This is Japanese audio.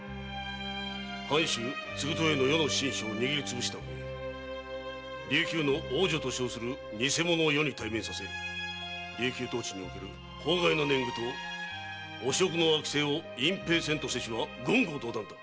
藩主・継豊への余の親書を握りつぶしたうえ琉球の王女と称する偽者を余に対面させ琉球統治における法外な年貢と汚職の悪政を隠蔽せんとせしは言語道断！